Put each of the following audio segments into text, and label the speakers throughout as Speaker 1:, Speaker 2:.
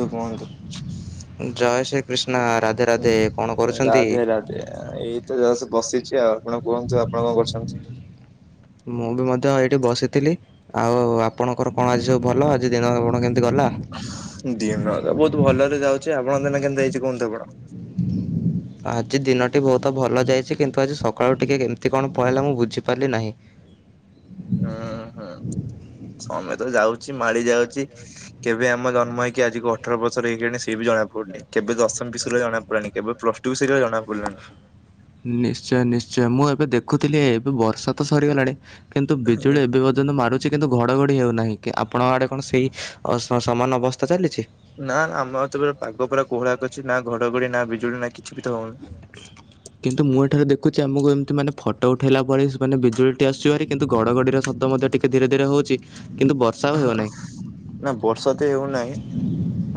Speaker 1: ଦୁଃଖ ମହାନ୍ତି।
Speaker 2: ଜୟ ଶ୍ରୀ କ୍ରୀଷ୍ଣା, ରାଧେ ରାଧେ, କଣ କରୁଛନ୍ତି?
Speaker 1: ଏଇତ ଜସ୍ ବସିଚି ଆଉ। ଆପଣ କୁହନ୍ତୁ ଆପଣ କଁ କରୁଛନ୍ତି?
Speaker 2: ମୁଁ ବି ମଧ୍ୟ ଏଇଠି ବସିଥିଲି। ଆଉ ଆପଣଙ୍କର କଣ ଆଜି ସବୁ ଭଲ? ଆଜି ଦିନ ଆପଣଙ୍କ କେମତି ଗଲା?
Speaker 1: ଦିନ ତ ବହୁତ ଭଲରେ ଯାଉଚି, ଆପଣଙ୍କ ଦିନ କେମତି ଯାଇଚି, କୁହନ୍ତୁ ଆପଣ?
Speaker 2: ଆଜି ଦିନଟି ବହୁତ ଭଲ ଯାଇଚି, କିନ୍ତୁ ଆଜି ସକାଳୁ ଟିକେ କେମତି କଣ ପଳେଇଲା, ମୁଁ ବୁଝିପାରିଲି ନାହିଁ।
Speaker 1: ଅଁ, ହଁ ସମୟ ତ ଯାଉଚି, ମାଡ଼ିଯାଉଚି। କେବେ ଆମ ଜନ୍ମ ହେଇକି ଆଜିକୁ ଅଠର ବର୍ଷର ହେଇଗଲେଣି, ସେ ବି ଜଣାପଡୁନି। କେବେ ଦଶମ ବି ସରିଲା, ଜଣା ପଡିଲାନି, କେବେ ପ୍ଲସ୍ ଟୁ ବି ସରିଲା ଜଣା ପଡିଲାନି।
Speaker 2: ନିଶ୍ଚୟ, ନିଶ୍ଚୟ। ମୁଁ ଏବେ ଦେଖୁଥିଲି, ଏବେ ବର୍ଷା ତ ସରିଗଲାଣି, କିନ୍ତୁ ବିଜୁଳି ଏବେ ମ ଯେନ୍ତି ମାରୁଚି, କିନ୍ତୁ ଘଡଘଡି ହେଉନାହିଁ। କି ଆପଣଙ୍କ ଆଡେ କଣ ସେଇ ଅ ସ ସମାନ ଅବସ୍ଥା ଚାଲିଛି?
Speaker 1: ନା, ନା, ଆମ ଆଡ଼େ ତ ପୁରା ପାଗ ପୁରା କୋହଳା କରିଚି। ନା ଘଡଘଡି, ନା ବିଜୁଳି, ନା କିଛି ବି ତ ହଉନି।
Speaker 2: କିନ୍ତୁ ମୁଁ ଏଠାରେ ଦେଖୁଚି, ଆମୁକୁ ଏମତି ମାନେ ଫଟ ଉଠେଇଲା ପରି ସ୍ ମାନେ ବିଜୁଳି ଟି ଆସୁଚି ଭାରି, କିନ୍ତୁ ଗଡଗଡିର ଶବ୍ଦ ମଧ୍ୟ ଟିକେ ଧୀରେ ଧୀରେ ହଉଚି। କିନ୍ତୁ
Speaker 1: ଅହ, ଅହ୍, ନା, ବର୍ଷା ତ ହେଉନାଇଁ,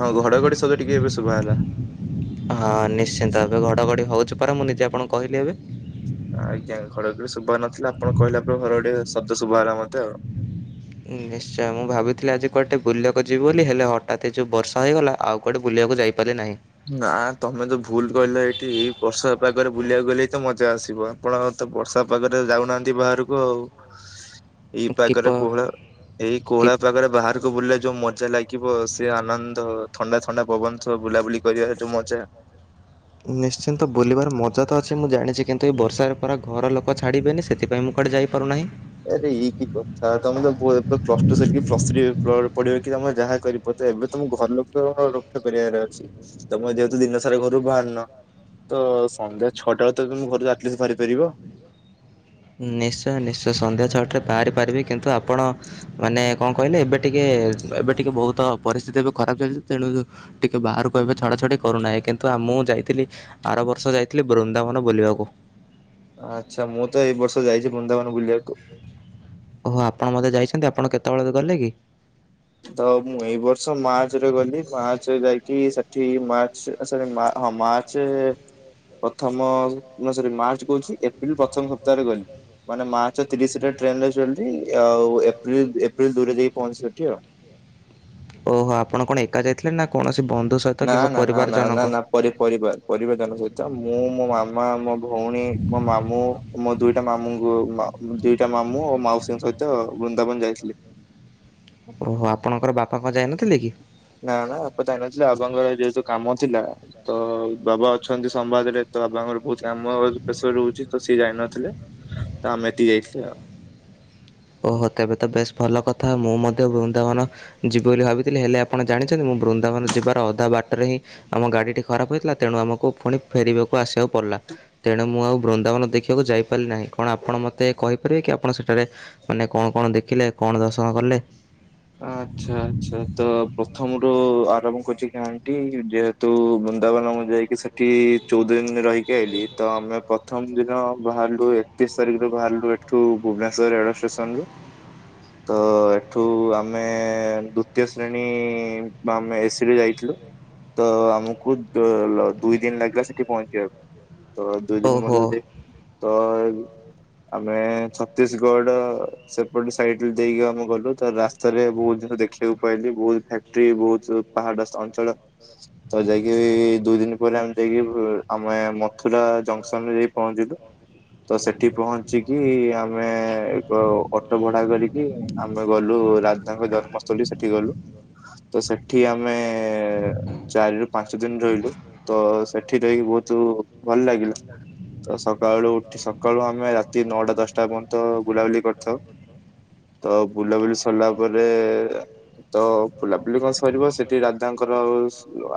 Speaker 1: ଆଉ ଘଡଘଡି ଶବ୍ଦ ଟିକେ ଏବେ ଶୁଭା ଗଲା।
Speaker 2: ହଁ, ନିଶ୍ଚିନ୍ତ। ଏବେ ଘଡଘଡି ହଉଚି ପରା, ମୁଁ ନିଜେ ଆପଣଙ୍କୁ କହିଲି ଏବେ।
Speaker 1: ଆଜ୍ଞା, ଘର ଭିତରେ ଶୁଭା ହଉନଥିଲା। ଆପଣ କହିଲା ପରେ ଘଡଘଡି ଶବ୍ଦ ଶୁଭା ହେଲା ମତେ ଆଉ।
Speaker 2: ନିଶ୍ଚୟ, ମୁଁ ଭାବିଥିଲି ଆଜି କୁଆଡେ ଟିକେ ବୁଲିଆକୁ ଯିବି ବୋଲି, ହେଲେ ହଠାତ୍ ଏ ଯୋଉ ବର୍ଷା ହେଇଗଲା ଆଉ କୁଆଡେ ବୁଲିଆକୁ ଯାଇପାରିଲି ନାହିଁ।
Speaker 1: ନା, ତମେ ତ ଭୁଲ୍ କହିଲ। ଏଠି ଏଇ ବର୍ଷା ପାଗରେ ବୁଲିଆକୁ ଗଲେ ତ ମଜା ଆସିବ। ଆପଣ ତ ବର୍ଷା ପାଗରେ ଯାଉନାହାନ୍ତି ବାହାରୁକୁ ଆଉ।
Speaker 2: [inaudible]
Speaker 1: ଏଇ ପାଗେରେ କୋହଳ ଏଇ କୋହଳା ପାଗେରେ ବାହାରୁକୁ ବୁଲିଲେ ଯୋଉ ମଜା ଲାଗିବ ସେ ଆନନ୍ଦ ଥଣ୍ଡା ଥଣ୍ଡା ପବନ ସହ ବୁଲାବୁଲି କରିବା ଯୋଉ ମଜା।
Speaker 2: ନିଶ୍ଚିନ୍ତ, ବୁଲିବାର ମଜା ତ ଅଛି, ମୁଁ ଜାଣିଚି। କିନ୍ତୁ ଏ ବର୍ଷାରେ ପରା ଘରଲୋକ ଛାଡିବେନି, ସେଥିପାଇଁ ମୁଁ କୁଆଡେ ଯାଇପାରୁନାହିଁ।
Speaker 1: ଆରେ, ଇଏ କିି କଥା! ତମେ ତ ବୋ ଏବେ ପ୍ଲସ୍ ଟୁ ସାରିକି ପ୍ଲସ୍‌ ଥ୍ରୀ ପ୍ଲ ପଢିବ, କି ତମେ ଯାହା କରିବ। ତ ଏବେ ତମ ଘରଲୋକ ରୋକ୍ ଠୋକ୍ କରିବାର ଅଛି, ତମେ ଯେହେତୁ ଦିନ ସାରା ଘରୁ ବାହାରୁନ। ତ ସନ୍ଧ୍ୟା ଛଅଟାରେ ତ ତମେ ଘରୁ ଆଟ୍ ଲିଷ୍ଟ ବାହାରି ପାରିବ।
Speaker 2: ନିଶ୍ଚୟ, ନିଶ୍ଚୟ। ସନ୍ଧ୍ୟା ଛଅଟାରେ ବାହାରି ପାରିବି, କିନ୍ତୁ ଆପଣ ମାନେ କଁ କହିଲେ, ଏବେ ଟିକେ, ଏବେ ଟିକେ ବହୁତ ପରିସ୍ଥିତି ଏବେ ଖରାପ ଚାଲିଚି, ତେଣୁ ଟିକେ ବାହାରୁକୁ ଏବେ ଛଡା ଛଡି କରୁନାହିଁ। କିନ୍ତୁ ଆ ମୁଁ ଯାଇଥିଲି ଆର ବର୍ଷ ଯାଇଥିଲି ବୃନ୍ଦାବନ ବୁଲିବାକୁ।
Speaker 1: ଆଚ୍ଛା, ମୁଁ ତ ଏଇ ବର୍ଷ ଯାଇଚି, ବୃନ୍ଦାବନ ବୁଲିଆକୁୁ।
Speaker 2: ଓହୋ ଆପଣ ବୋଧେ ଯାଇଛନ୍ତି ଆପଣ କେତେବେଳକୁ ଗଲେ କି
Speaker 1: ତ ମୁଁ ଏଇ ବର୍ଷ ମାର୍ଚ୍ଚରେ ଗଲି ମାର୍ଚ୍ଚରେ ଯାଇକି ସେଠି ମାର୍ଚ୍ଚରେ ଏ ସରି ମା ହଁ ମାର୍ଚ୍ଚେ ପ୍ରଥମ ନା ସରି ମାର୍ଚ୍ଚ କହୁଚି ଏପ୍ରିଲ ପ୍ରଥମ ସପ୍ତାହରେ ଗଲି ମାନେ ମାର୍ଚ୍ଚ ତିରିଶିରେ ଟ୍ରେନରେ ଚଢିଲି ଆଉ ଏପ୍ରିଲ ଏପ୍ରିଲ ଦୁଇରେ ଯାଇକି ପହଞ୍ଚି ସେଠି ଆଉ
Speaker 2: ଓହୋ ଆପଣ କଣ ଏକା ଯାଇଥିଲେ ନା କୋଣସି ବନ୍ଧୁ ସହିତ କିମ୍ବା ପରିବାରଜନଙ୍କ
Speaker 1: ପରି ପରିବାର୍ ପରିବାରଜନ ସହିତ ମୁଁ ମୋ ମାମା ମୋ ଭଉଣୀ ମୋ ମାମୁଁ ମୋ ଦୁଇଟା ମାମୁଙ୍କୁ ମା ଦୁଇଟା ମାମୁଁ ଓ ମାଉସୀଙ୍କ ସହିତ ବୃନ୍ଦାବନ ଯାଇଥିଲି
Speaker 2: ଓହୋ ଆପଣଙ୍କର ବାପା କଣ ଯାଇନଥିଲେ କି?
Speaker 1: ନା ନା ବାପା ଜାଇ ନଥିଲେ ବାବାଙ୍କର ଯେହେତୁ କାମ ଥିଲା ତ ବାବା ଅଛନ୍ତି ସମ୍ବାଦ ରେ ତ ବାବାଙ୍କର ବହୁତ କାମ ପ୍ରେଶର ରହୁଛି ତ ସିଏ ଯାଇନଥିଲେ ତ ଆମେ ଏତିକି ଯାଇଥିଲୁ ଆଉ
Speaker 2: ଓହୋ ତେବେ ତ ବେଶ୍ ଭଲ କଥା ମୁଁ ମଧ୍ୟ ବୃନ୍ଦାବନ ଯିବି ବୋଲି ଭାବିଥିଲି ହେଲେ ଆପଣ ଜାଣିଚନ୍ତି ମୁଁ ବୃନ୍ଦାବନ ଯିବାର ଅଧା ବାଟେରେ ହିଁ ଆମ ଗାଡିଟି ଖରାପ ହୋଇଥିଲା ତେଣୁ ଆମକୁ ଫୁଣି ଫେରିବାକୁ ଆସିବାକୁ ପଡିଲା ତେଣୁ ମୁଁ ଆଉ ବୃନ୍ଦାବନ ଦେଖି ଖିଆକୁ ଯାଇପାରିଲି ନାହିଁ କଣ ଆପଣ ମତେ କହିପାରିବେ କି ଆପଣ ସେଠାରେ ମାନେ କଣ କଣ ଦେଖିଲେ କଣ ଦର୍ଶନ କଲେ
Speaker 1: ଆଚ୍ଛା ଆଚ୍ଛା ତ ପ୍ରଥମରୁ ଆରମ୍ଭ କରୁଚି କାହାଣୀଟି ଯେ ହେତୁ ବୃନ୍ଦାବନ ମୁଁ ଯାଇକି ସେଠି ଚଉଦ ଦିନ ରହିକି ଆଇଲିି ତ ଆମେ ପ୍ରଥମ ଦିନ ବାହାରିଲୁ ଏକତିରିଶ ତାରିଖ ରୁ ବାହାରିଲୁ ଏଠୁ ଭୁବନେଶ୍ୱର ରେଳ ଷ୍ଟେସନ ରୁ ତ ଏଠୁ ଆମ ଆମେ ଦ୍ଵିତୀୟ ଶ୍ରେଣୀ ଆମେ ଏସି ରେ ଯାଇଥିଲୁ ତ ଆମକୁ ଦୁଇ ଦିନ ଲାଗିଲା ସେଠି ପହଞ୍ଚିବାକୁ ତ ଦୁଇ ଦିନ ମଧ୍ୟ ଦ ତ ଆମେ ଛତିଶଗଡ ସେପଟେ ସାଇଡରେ ଦେଇକି ଆମେ ଗଲୁ ତ ରାସ୍ତା ରେ ବହୁତ ଜିନଷ ଦେଖିବାକୁ ପାଇଲି ବହୁତ ଫ୍ୟାଟ୍ରି ବହୁତ ପାହାଡ ଅଞ୍ଚଳ ତ ଯାଇକି ଦୁଇ ଦିନ ପରେ ଆମେ ଯାଇକି ଆମେ ମଥୁରା ଜଙ୍କସନ ରେ ଯାଇ ପହଞ୍ଚିଲୁ ତ ସେଠି ପହଞ୍ଚିକି ଆମେ ଏକ ଅଟୋ ଭଡା କରିକି ଆମେ ଗଲୁ ରା ଧାଙ୍କ ଜନ୍ମସ୍ଥଳୀ ସେଠି ଗଲୁ ତ ସେଠି ଆମେ ଚାରି ରୁ ପାଞ୍ଚ ଦିନ ରହିଲୁ ତ ସେଠି ଯାଇକି ବହୁତ ଭଲ ଲାଗିଲା ତ ସକାଳୁ ଉଠି ସକାଳୁ ଆମେ ରାତି ନଅଟା ଦଶଟା ପର୍ଯ୍ୟନ୍ତ ବୁଲାବୁଲି କରିଥାଉ ତ ବୁଲାବୁଲି ସରିଲା ତାପରେ ତ ବୁଲାବୁଲି କଣ ସରିବ ସେଠି ରାଧାଙ୍କର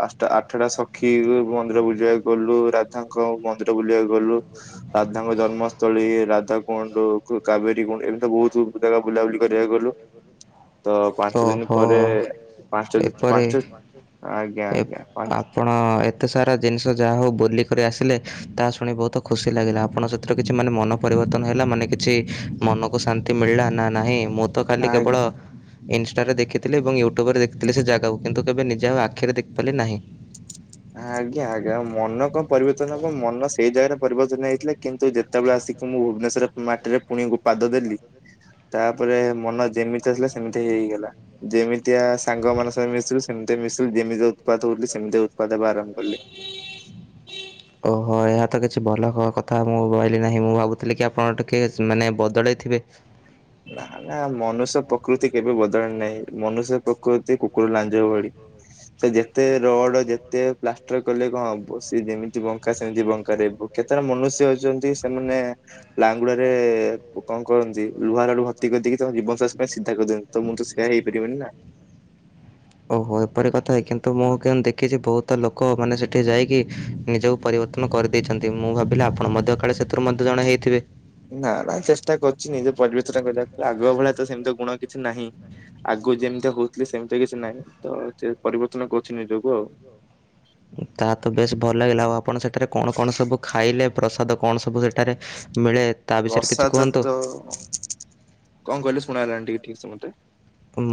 Speaker 1: ଆଷ୍ଟା ଆଠଟା ପକ୍ଷୀ ମନ୍ଦିର ବୁଝିବାକୁ ଗଲୁ ରାଧାଙ୍କ ମନ୍ଦିର ବୁଲିବାକୁ ଗଲୁ ରାଧାଙ୍କ ଜନ୍ମସ୍ଥଳୀ ରାଧା କୁଣ୍ଡ କାବେରୀ କୁଣ୍ଡ ଏମିତି ବହୁତ ଜାଗା ବୁଲାବୁଲି କରିବାକୁ ଗଲୁ
Speaker 2: ହଁ [inaudible] ଓହୋ ଏପରି ଏପ ଅପ୍ ଆପଣ ଏତେ ସାରା ଜିନିଷ ଯାହା ହଉ ବୁଲିକରି ଆସିଲେ ତା ଶୁଣି ବହୁତ ଖୁସି ଲାଗିଲା ଆପଣଙ୍କ ସେଥିରେ କିଛି ମାନେ ମନ ପରିବର୍ତ୍ତନ ହେଲା ମାନେ କିଛି ମନକୁ ଶାନ୍ତି ମିଳିଲା ନା ନାହିଁ ମୁଁ ତ ଖାଲି କେବଳ ଇନଷ୍ଟାରେ ଦେଖିଥିଲେି ଏବଂ ୟୁଟ୍ୟୁବ ରେ ଦେଖିଥିଲେ ସେ ଜାଗାକୁ କିନ୍ତୁ କେବେ ନିଜେ ଆଉ ଆଖିରେ ଦେଖିପାରିଲି ନାହିଁ
Speaker 1: ଆଜ୍ଞା ଆଜ୍ଞା ମନ କଣ ପରିବର୍ତ୍ତନ ହେବ ମନ ସେଇ ଜାଗାରେ ପରିବର୍ତ୍ତନ ହେଇଥିଲା କିନ୍ତୁ ଯେତେବେଳେ ଆସିକି ମୁଁ ଭୁବନେଶ୍ଵର ମାଟିରେ ପୁଣିଙ୍କୁ ପାଦ ଦେଲି ତାପରେ ମନ ଯେମିତି ଆସିଲା ସେମିତି ହେଇ ହେଇଗଲା ଯେମିତିଆ ସାଙ୍ଗ ମାନଙ୍କ ସାଙ୍ଗେ ମିଶିଥିଲୁ ସେମତିଆ ମିଶିଲୁ ଯେମିତି ଉତ୍ପାତ ହଉଥିଲି ସେମିତି ଉ ତ୍ପାତ ହେବା ଆରମ୍ଭ କଲେ।
Speaker 2: ଓହୋ ଏହା ତ କିଛି ଭଲ କ କଥା ମୁଁ କହିଲି ନାହିଁ ମୁଁ ଭାବୁଥିଲି କି ଆପଣ ଟିକିଏ ମାନେ ବଦଳିଥିବେ।
Speaker 1: [unintelligible] ନା ମନୁଷ୍ୟ ପ୍ରକୃତି କେବେ ବଦଳେ ନାହିଁ। ମନୁଷ୍ୟ ପ୍ରକୃତି କୁକୁର ଲାଞ୍ଜ ଭଳି। ସେ ଯେତେ ରଡ ଯେତେ ପ୍ଲାଷ୍ଟର କଲେ କଣ ହବ ସେ ଯେମିତି ବଙ୍କା ସେମିତି ବଙ୍କା ରହିବ। କେତେଟା ମନୁଷ୍ୟ ଅଛନ୍ତି ସେମାନେ ଲାଙ୍ଗୁଡରେ କଣ କରନ୍ତି ଲୁହା ରଡ ଭର୍ତ୍ତି କରିଦେଇକି ତମ ଜୀବନା ସାରା ପାଇଁ ସିଧା କରିଦିଅନ୍ତି ତ ମୁଁ ତ ସେଇଆ ହେଇପାରିବିନି ନା।
Speaker 2: ଓହୋ ଏପରି କଥା କିନ୍ତୁ ମୁଁ କେ ଦେଖିଛି ବହୁତ ଲୋକ ମାନେ ସେଠି ଯାଇକି ନିଜକୁ ପରିବର୍ତ୍ତନ କରିଦେଇଛନ୍ତି। ମୁଁ ଭାବିଲି ଆପଣ ମଧ୍ୟ କାଳେ ସେଥିରୁ ମଧ୍ୟ ଜଣେ ହେଇଥିବେ।
Speaker 1: ନା ନା ଚେଷ୍ଟା କରୁଛି ନିଜେ ପରିବର୍ତନ କରିବାକୁ ଆଗ ଭଳିଆ ତ ସେମିତି ଗୁଣ କିଛି ନାହିଁ। ଆଗରୁ ଯେମିତିଆ ହଉଥିଲି ସେମିତିଆ କିଛି ନାହିଁ ତ ଚେ ପରିବର୍ତ୍ତନ କରୁଛି ନିଜକୁ ଆଉ।
Speaker 2: ତା ତ ବେଶ ଭଲ ଲାଗିଲା ଆଉ ଆପଣ ସେଠାରେ କଣ କଣ ସବୁ ଖାଇଲେ ପ୍ରସାଦ କଣ ସବୁଠ ଠାରେ ମିଳେ ତା ବିଷୟରେ କିଛି କୁହନ୍ତୁ?
Speaker 1: ହଁ। କଣ କହିଲେ ଶୁଣା ହେଲାନି ଟିକେ ଠିକ ସେ ମତେ?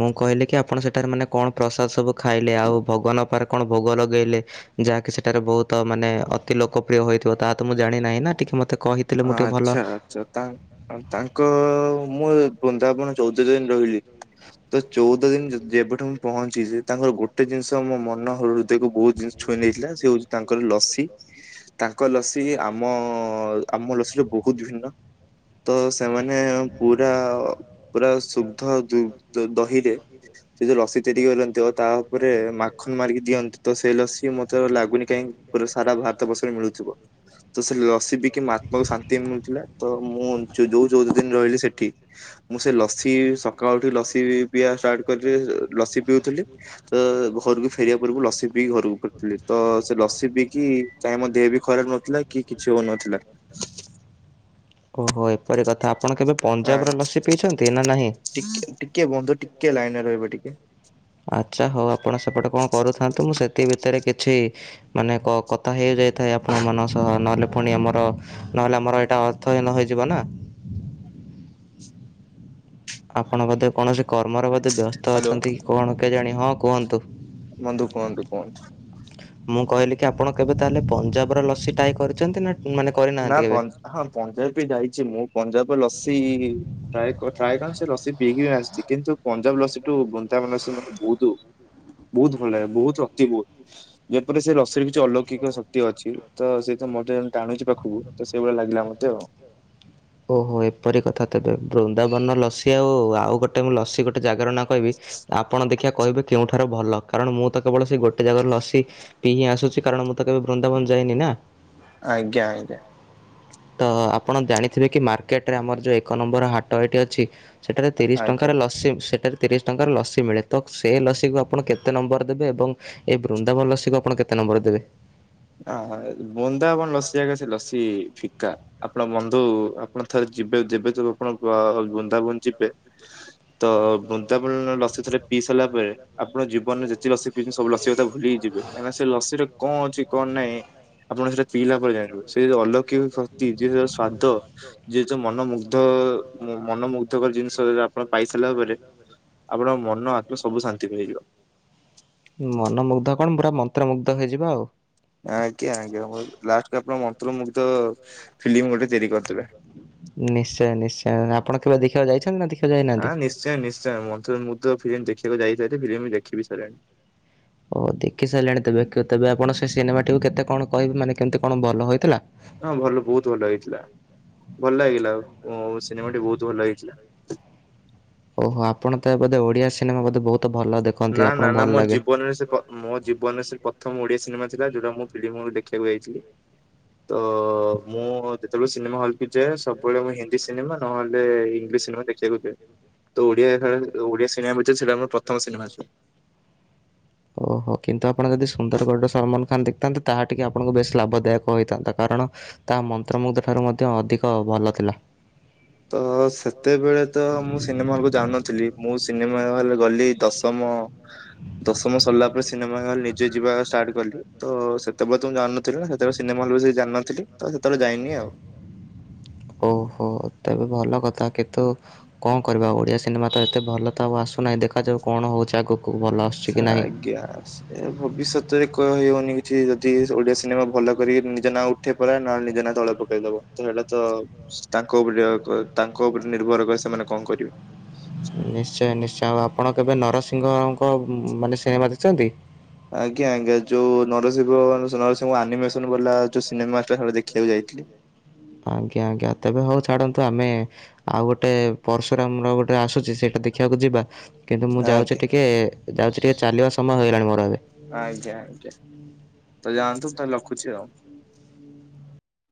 Speaker 2: ମୁଁ କହିଲି କି ଆପଣ ସେଠାରେ ମାନେ କଣ ପ୍ରସାଦ ସବୁ ଖାଇଲେ ଆଉ ଭଗବାନଙ୍କ ପାଖରେ କଣ ଭୋଗ ଲଗେଇଲେ ଯାହାକି ସେଠାରେ ବହୁତ ମାନେ ଅତି ଲୋକପ୍ରିୟ ହୋଇଥିବ ତା ତ ମୁଁ ଜାଣିିନାହିଁ ନା ଟିକେ ମତେ କହିଥିଲେ ମୁଁ ଟିକେ ଭଲ
Speaker 1: ଚ ତା ତାଙ୍କ ମୁଁ ବୃନ୍ଦାବନ ଚଉଦ ଦିନ ରହିଲି। ତ ଚଉଦ ଦିନ ଯେ ଯେବେଠୁ ମୁଁ ପହଞ୍ଚିଚି ତାଙ୍କର ଗୋଟେ ଜିନିଷ ମୋ ମନ ହୃଦୟକୁ ବହୁତ ଜିନିଷ ଛୁଇଁ ନେଇଥିଲା ସେ ହଉଛି ତାଙ୍କର ଲସି। ତାଙ୍କ ଲସି ଇ ଆମ ଆମ ଲସିର ବହୁତ ଭିନ୍ନ। ତ ସେମାନେ ପୁରା ପୁରା ଶୁଗ୍ଧ ଦୁଗ୍ ଦହିରେ ସେ ଯୋଉ ଲସି ତିଆରି କରନ୍ତି ଆଉ ତା ଉପରେ ମାଖନ ମାରିକି ଦିଅନ୍ତି ତ ସେଇ ଲସି ମତେ ଲାଗୁନି କାହିଁକି ପୁରା ସାରା ଭାରତ ବର୍ଷରେ ମିଳୁଥିବ। ତ ସେ ଲସୀ ପିଇକି ମୋ ଆତ୍ମାକୁ ଶାନ୍ତି ମିଳୁଥିଲା ତ ମୁଁ ଯୋ ଯୋଉ ଚଉଦ ଦିନ ରହିଲି ସେଠି ମୁଁ ସେ ଲସି ସକାଳୁ ଉଠିକି ଲସି ପିଇବା ଷ୍ଟାର୍ଟ କରି ଲସି ପିଉଥିଲି। ତ ଘରକୁ ଫେରିବା ପୂର୍ବରୁ ଲସି ପିଇକି ଘରକୁ ଫେରୁଥିଲି। ତ ସେ ଲସି ପିଇକି କାହିଁ ମୋ ଦେହ ବି ଖରାପ ନଥି ଥିଲା କି କିଛି ହଉନଥିଲା।
Speaker 2: ଓହୋ ଏପରି କଥା ଆପଣ କେବେ ପଞ୍ଜାବର ଲସି ପିଇଛନ୍ତି ନା ନାହିଁ?
Speaker 1: ଟିକେ ଟିକେ ବନ୍ଧୁ ଟିକେ କିଏ ଲାଇନରେ ରହିବ ଟିକେ।
Speaker 2: ଆଚ୍ଛା ହଉ ଆପଣ ସେପଟେ କଣ କରୁଥାନ୍ତୁ ମୁଁ ସେଥି ଭିତରେ କିଛି ମାନେ କ କଥା ହେଇଯାଇଥାଏ ଆପଣମାନଙ୍କ ସହ ନହେଲେ ପୁଣି ଆମର ନହେଲେ ଆମର ଏଇଟା ଅର୍ଥହୀନ ହେଇଯିବ ନା। ଆପଣ ବୋଧେ କୌଣସି କର୍ମରେ ବୋଧେ ବ୍ୟସ୍ତ ଅଛନ୍ତି କି କଣ କେଜାଣି ହଁ କୁହନ୍ତୁ।
Speaker 1: ବନ୍ଧୁ କୁହନ୍ତୁ କୁହନ୍ତୁ।
Speaker 2: ମୁଁ କହିଲି କି ଆପଣ କେବେ ତାହେଲେ ପଞ୍ଜାବ ର ଲସି ଟ୍ରାଏ କରିଛନ୍ତି ନା ମାନେ
Speaker 1: ନା ପଞ୍ଜ ହଁ ପଞ୍ଜାବ ବି ଯାଇଛି ମୁଁ ପଞ୍ଜାବ ଲସି ଟ୍ରାଏ କ ଟ୍ରାଏ କଣ ସେ ଲସି ପିଇକି ବି ଆସିଛି। କିନ୍ତୁ ପଞ୍ଜାବ ଲସିଠୁ ବୃନ୍ଦାବନ ଲସି ମତେ ବହୁତ ବହୁତ ଭଲ ଲାଗେ ବହୁତ ଲକି ମୁଁ। ଯେପରି ସେ ଲସିରେ କିଛି ଅଲୌକିକ ଶକ୍ତି ଅଛି ତ ସେ ତ ମତେ ଟାଣୁଛି ପାଖ କୁ ତ ସେଇଭଳିଆ ଲାଗିଲା ମତେ ଆଉ।
Speaker 2: ଓହୋ ଏପରି କଥା ତେବେ ବୃନ୍ଦାବନ ଲସି ଆଉ ଆଉ ଗୋଟେ ମୁଁ ଲସି ଗୋଟେ ଜାଗର ନା କହିବି ଆପଣ ଦେଖିବା କହିବେ କେଉଁଠାର ଭଲ କାରଣ ମୁଁ ତ କେବଳ ସେ ଗୋଟେ ଜାଗାରୁ ଲସି ପିଇ ହିଁ ଆସୁଛି କାରଣ ମୁଁ ତ କେବେ ବୃନ୍ଦାବନ ଯାଇନି ନା ତ ଆପଣ ଜାଣି ଥିବେ କିି ମାର୍କେଟରେ ଆମର ଯେଉଁ ଏକ ନମ୍ବର ହାଟ ଏଠି ଅଛି ସେଠାରେ ତିରିଶ ଟଙ୍କାର ଲସି ସେଠାରେ ତିରିଶ ଟଙ୍କାର ଲସି ମିଳେ ତ ସେ ଲସିକୁ ଆପଣ କେତେ ନମ୍ବର ଦେବେ ଏବଂ ଏଇ ବୃନ୍ଦାବନ ଲସିକୁ ଆପଣ କେତେ ନମ୍ବର ଦେବେ?
Speaker 1: ଅ ବୃନ୍ଦାବନଲସି ଆଗରେ ସେ ଲସି ଫିକା ଆପଣ ବନ୍ଧୁ ଆପଣ ଥରେ ଯିବେ ଯବେ ତୁ ଆପଣ ବୃନ୍ଦାବୁନ୍ଦ ଯିବେ ତ ବୃନ୍ଦାବନ ଲସି ଥରେ ପିଇ ସାରିଲା ପରେ ଆପଣ ଜୀବନରେ ଯେତେ ଲସି ପିକି ସବୁ ଲସି କଥା ଭୁଲି ହେଇଯିବେ କାହିଁ ନା ସେ ଲସି ରେ କ ଅଛି? କଣ ନାହିଁ ଆପଣ ସେଟା ପିଇଲା ପରେ ଜାଣିବେ ସେ ଅଲୌକି ଶକ୍ତି ଯ ସ୍ଵାଦ ଯିଏ ଯୋଉ ମନମୁଗ୍ଧ ମନମୁଗ୍ଧକର ଜିନିଷ ଆପଣ ପାଇ ସାରିଲା ପରେ ଆପଣ ମନ ଆତ୍ମା ସବୁ ଶାନ୍ତି ମିଳିଯିବ।
Speaker 2: ମନମୁଗ୍ଧ କଣ ପୁରା ମନ୍ତ୍ର ମୁୁଗ୍ଧ ହେଇଯିବ ଆଉ।
Speaker 1: ଆଜ୍ଞା ଆଜ୍ଞା ଲାଷ୍ଟ ଆପଣ ମନ୍ତ୍ର ମୁଗ୍ଧ ଫିଲ୍ମ ଗୋଟେ ତିଆରି କରିଦେବେ।
Speaker 2: ନିଶ୍ଚୟ ନିଶ୍ଚୟ ଆପଣ କେବେ ଦେଖିବାକୁ ଯାଇଛନ୍ତି ନା ଦେ
Speaker 1: ହଁ ନିଶ୍ଚୟ ନିଶ୍ଚୟ ମନ୍ତ୍ର ମୁଗ୍ଧ ଫିଲ୍ମ ଦେଖିବାକୁ ଯାଇଥାଏ ଫିଲ୍ମ ବି ଦେଖି ବି ସାଇଲିନି।
Speaker 2: ଓ ଦେଖି ସାଇଲାଣି ତେବେ ତେବେ ଆପଣ ସେ ସିନେମାଟିକୁ କେତେ କଣ କହିବେ ମାନେ କେମିତି କଣ ଭଲ ହେଇଥିଲା?
Speaker 1: ହଁ ଭଲ ବହୁତ ଭଲ ହେଇଥିଲା ଭଲ ଲାଗିଲା ସିନେମାଟି ବହୁତ ଭଲ ହେଇଥିଲା।
Speaker 2: ଓହୋ ଆପଣ ତ ବୋଧେ ଓଡିଆ ସିନେମା ବୋଧେ ବହୁତ ଭଲ ଦେ
Speaker 1: ନା ନା ନା ମୋ ଜୀବନରେ ସେ ପ ମୋ ଜୀବନରେ ସେ ପ୍ରଥମ ଓଡିଆ ସିନେମା ଥିଲା ଯୋଉଟା ମୁଁ ଫିଲ୍ମ ହଲ୍ ଦେଖିବାକୁ ଯାଇଥିଲି। ତ ମୁଁ ଯେତେବେଳେ ସିନେମା ହଲ୍କୁୁ ଯାଏ ସବୁବେଳେ ମୁ ହିନ୍ଦୀ ସିନେମା ନହେଲେ ଇଂଲିଶ ସିନେମା ଦେଖିବାକୁ ଯାଏ ତ ଓଡିଆ ଓଡିଆ ସିନେମା ଭିତର ସେଇଟା ଆମର ପ୍ରଥମ ସିନେମା ଅଛି।
Speaker 2: ଓହୋ କିନ୍ତୁ ଆପଣ ଯଦି ସୁନ୍ଦରଗଡ଼ର ସଲମାନ ଖାନ୍ ଦେଖଥାନ୍ତେ ତାହା ଟିକେ ଆପଣଙ୍କୁ ବେଶ ଲାଭଦାୟକ ହୋଇଇଥାନ୍ତା କାରଣ ତା ମନ୍ତ୍ରମୁଗ୍ଧ ଠାରୁ ମଧ୍ୟ ଅଧିକ ଭଲ ଥିଲା।
Speaker 1: ତ ସେତେବେଳେ ତ ମୁଁ ସିନେମା ହଲକୁ ଯାଉନଥିଲି, ମୁଁ ସିନେମା ହଲ ଗଲି ଦଶମ ଦଶମ ସରିଲା ପରେ ସିନେମା ହଲ୍ ନିଜେ ଯିବା ଷ୍ଟାର୍ଟ କଲି। ତ ସେତେବେଳେ ତ ମୁଁ ଜାଣିନଥିଲି ନା, ସେତେବେଳେ ସିନେମା ହଲ ବିଷୟରେ କିଛି ଜାଣିନଥିଲି, ତ ସେତେବେଳେ ଯାଇନି ଆଉ।
Speaker 2: ଓହୋ ତେବେ ଭଲ କଥା, କିତୂ କଣ କରିବା ଓଡିଆ ସିନେମା ତ ଏତେ ଭଲ ତ ଆଉ ଆସୁନାହିଁ। ଦେଖାଯାଉ କଣ ହେଉଛି ଆଗକୁ ଭଲ ଆସୁଛି କି ନାହିଁ?
Speaker 1: ୟାସ୍ ଏ ଭବିଷ୍ୟତରେ କହି ହଉନି କିଛି। ଯଦି ଓଡିଆ ସିନେମା ଭଲ କରିକି ନିଜ ନାଁ ଉଠେଇ ପଳାଏ ନ ହେଲେ ନିଜ ନାଆଁ ତଳେ ପକେଇଦବ। ତ ସେଟା ତ ସ୍ ତାଙ୍କ ଉପରେ [unintelligible] ତାଙ୍କ ଉପରେ ନିର୍ଭର କରେ, ସେମାନେ କଣ କରିବେ?
Speaker 2: ନିଶ୍ଚୟ ନିଶ୍ଚୟ। ଆଉ ଆପଣ କେବେ ନରସିଂହଙ୍କ ମାନେ ସିନେମା ଦେଖଛନ୍ତି?
Speaker 1: ଆଜ୍ଞା ଆଜ୍ଞା ଯୋଉ ନରସିଂବ ନରସିଂହ ଆନିମେସନ ବାଲା ଯୋଉ ସିନେମା ଟା ସେଇଟା ଦେଖିବାକୁ ଯାଇଥିଲି।
Speaker 2: ଆଜ୍ଞା ଆଜ୍ଞା ତେବେ ହଉ ଛାଡ଼ନ୍ତୁ ଆମେ ଆଉ ଗୋଟେ ପରର୍ଶୁରାମର ଗୋଟେ ଆସୁଛି ସେଇଟା ଦେଖିବାକୁ ଯିବା? କିନ୍ତୁ ମୁଁ ଯାଉଛି ଟିକେ ଯାଉଛି ଟିକେ ଚାଲିବା ସମୟ ହେଇଗଲାଣି ମୋର ଏବେ।
Speaker 1: ଆଜ୍ଞା ଆଜ୍ଞା ତ ଯାଆନ୍ତୁ ତାହେଲେ ରଖୁଛି ଆଉ।